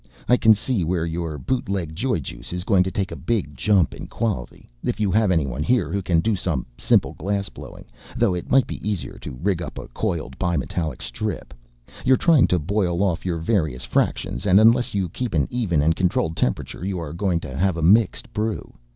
I can see where your bootleg joyjuice is going to take a big jump in quality, if you have anyone here who can do some simple glassblowing. Though it might be easier to rig up a coiled bi metallic strip. You're trying to boil off your various fractions, and unless you keep an even and controlled temperature you are going to have a mixed brew.